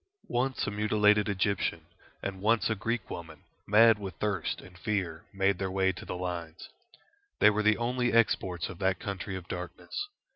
Once a mutilated Egyptian and once a Greek woman, mad with thirst and fear, made their way to the lines. They were the only exports of that country of darkness.